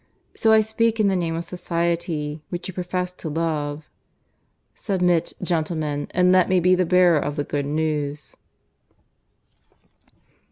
So I speak in the name of society, which you profess to love. Submit, gentlemen, and let me be the bearer of the good news."